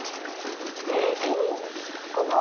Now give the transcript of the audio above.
ごぼう！